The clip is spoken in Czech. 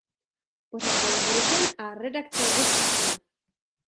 Pořad byl zrušen a redakce rozpuštěna.